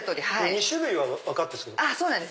２種類は分かってるんですけど